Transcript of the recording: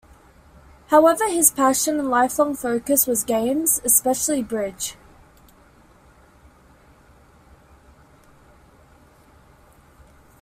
However, his passion and lifelong focus was games, especially bridge.